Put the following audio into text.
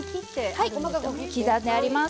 はい刻んであります。